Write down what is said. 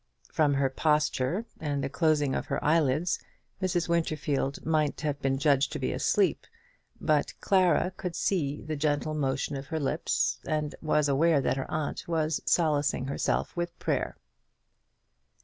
From her posture, and the closing of her eyelids, Mrs. Winterfield might have been judged to be asleep; but Clara could see the gentle motion of her lips, and was aware that her aunt was solacing herself with prayer.